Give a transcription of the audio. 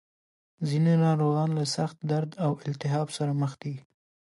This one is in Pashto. ځینې ناروغان له سخت درد او التهاب سره مخ دي.